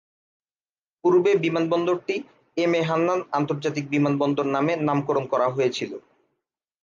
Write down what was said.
পূর্বে বিমানবন্দরটি এমএ হান্নান আন্তর্জাতিক বিমানবন্দর নামে নামকরণ করা হয়েছিল।